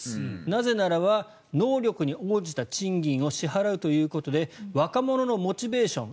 なぜならば能力に応じた賃金を支払うということで若者のモチベーション